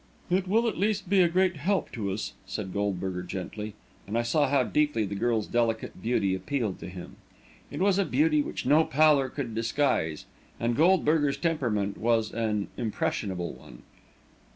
"It will, at least, be a great help to us," said Goldberger gently, and I saw how deeply the girl's delicate beauty appealed to him. It was a beauty which no pallor could disguise, and Goldberger's temperament was an impressionable one.